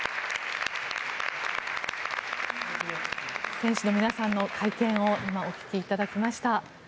選手の皆さんの会見をお聞きいただきました。